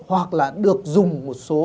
hoặc là được dùng một số